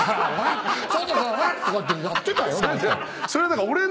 ちょっとそのね」とかってやってたよ何か。